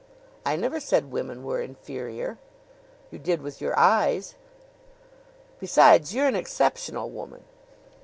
"I never said women were inferior." "You did with your eyes." "Besides, you're an exceptional woman."